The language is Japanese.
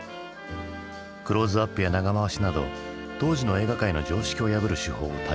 クローズアップや長回しなど当時の映画界の常識を破る手法を多用した。